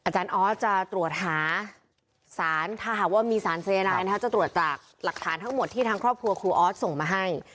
ออสจะตรวจหาสารถ้าหากว่ามีสารสายนายจะตรวจจากหลักฐานทั้งหมดที่ทางครอบครัวครูออสส่งมาให้